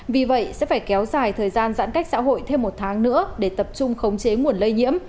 vì vậy sẽ phải kéo dài thời gian giãn cách xã hội thêm một tháng nữa để tập trung khống chế nguồn lây nhiễm